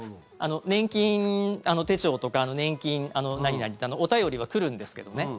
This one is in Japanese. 年金手帳とか年金何々ってお便りは来るんですけどね。